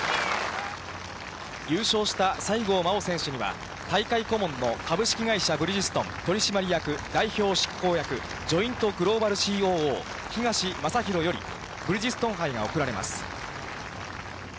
優勝した西郷真央選手には、大会顧問の株式会社ブリヂストン取締役代表執行役、ＪｏｉｎｔＧｌｏｂａｌＣＯＯ、東正浩より、ブリヂストン杯が贈られます。